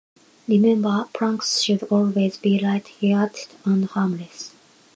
Remember, pranks should always be light-hearted and harmless.